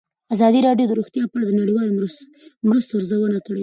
ازادي راډیو د روغتیا په اړه د نړیوالو مرستو ارزونه کړې.